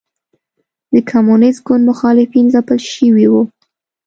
د کمونېست ګوند مخالفین ځپل شوي وو.